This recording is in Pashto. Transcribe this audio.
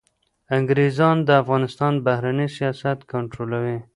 انګریزان د افغانستان بهرنی سیاست کنټرولوي.